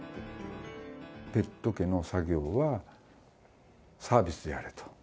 ペット毛の作業はサービスでやれと。